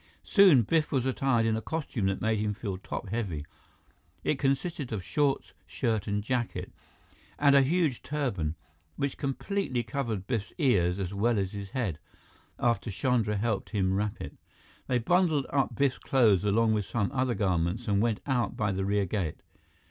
Soon, Biff was attired in a costume that made him feel top heavy. It consisted of shorts, shirt, and jacket, and a huge turban, which completely covered Biff's ears as well as his head, after Chandra helped him wrap it. They bundled up Biff's clothes along with some other garments and went out by the rear gate.